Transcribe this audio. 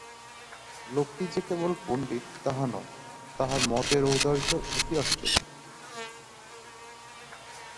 লোকটি যে কেবল পণ্ডিত তাহা নয়, তাঁহার মতের ঔদার্য অতি আশ্চর্য।